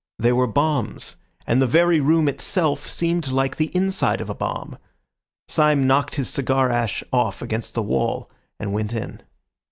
They were bombs, and the very room itself seemed like the inside of a bomb. Syme knocked his cigar ash off against the wall, and went in.